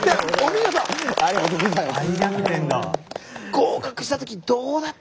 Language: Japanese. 合格した時どうだった？